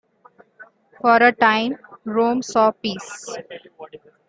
For a time, Rome saw peace.